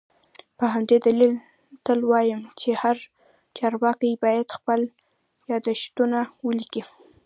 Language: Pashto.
په همدې دلیل تل وایم چي هر چارواکی باید خپل یادښتونه ولیکي